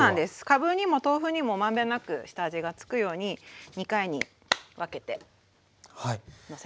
かぶにも豆腐にも満遍なく下味がつくように２回に分けてのせました。